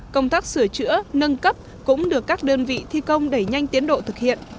công tác sửa chữa nâng cấp cũng được các đơn vị thi công đẩy nhanh tiến độ thực hiện